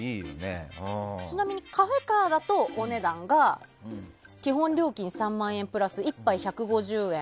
ちなみにカフェカーだとお値段が基本料金３万円プラス１杯１５０円